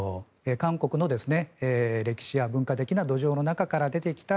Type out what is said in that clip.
韓国の歴史や文化的な土壌の中から出てきた